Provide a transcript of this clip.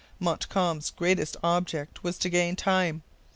Montcalm's great object was to gain time.